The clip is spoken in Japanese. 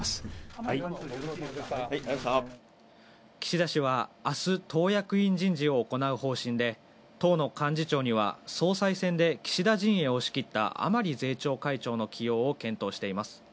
岸田氏は、明日、党役員人事を行う方針で、党の幹事長には総裁選で岸田陣営を仕切った甘利税調会長の起用を検討しています。